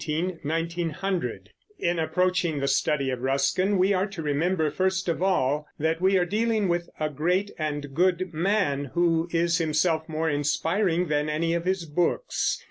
JOHN RUSKIN (1819 1900) In approaching the study of Ruskin we are to remember, first of all, that we are dealing with a great and good man, who is himself more inspiring than any of his books.